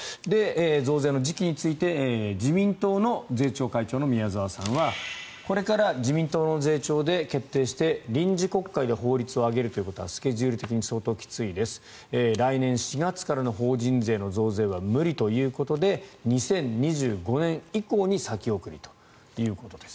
増税の時期について自民党の税調会長の宮沢さんはこれから自民党の税調で決定して臨時国会で法律を上げるということはスケジュール的に相当きついです来年４月からの法人税の増税は無理ということで２０２５年以降に先送りということです。